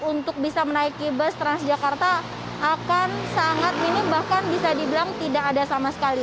untuk bisa menaiki bus transjakarta akan sangat minim bahkan bisa dibilang tidak ada sama sekali